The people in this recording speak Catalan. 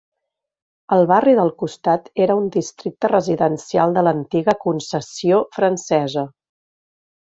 El barri del costat era un districte residencial de l'antiga concessió francesa.